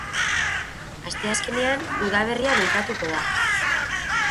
Asteazkenean udaberria bueltatuko da.